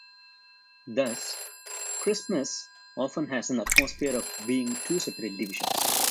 Thus, "Christmas" often has an atmosphere of being two separate divisions.